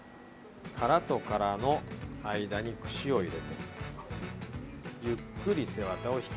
殻と殻の間に串を入れてゆっくり背ワタを引き抜きます。